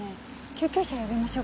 救急車呼びましょうか。